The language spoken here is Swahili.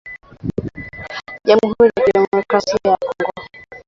jamuhuri ya kidemokrasia ya Kongo